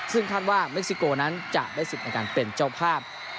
ซึ่งคาดว่าเม็กซิโกนั้นจะได้สิทธิ์ในการเป็นเจ้าภาพ